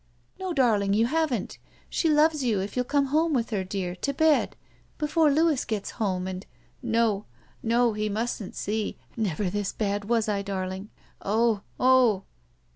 *'No, darling, you haven't. She loves you if you'll come home with her, dear, to bed, before Louis gets home and —" "No. No. He mustn't see. Never this bad — was I, darling? Oh! Oh!"